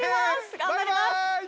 頑張ります